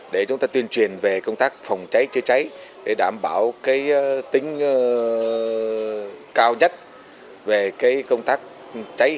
để chúng ta tuyên truyền về công tác phòng cháy cháy cháy để đảm bảo tính cao nhất về công tác phòng cháy cháy cháy